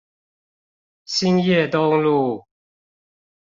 興業東路